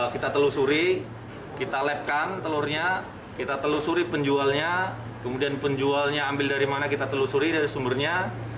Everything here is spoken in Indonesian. kita telusuri kita labkan telurnya kita telusuri penjualnya kemudian penjualnya ambil dari mana kita telusuri dari sumbernya